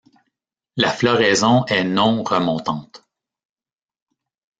La floraison est non remontante.